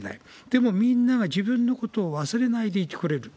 でも、みんなが自分のことを忘れないでいてくれる。